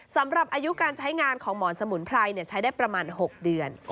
สำหรับอายุการใช้งานของหมอนสมุนไพรใช้ได้ประมาณ๖เดือน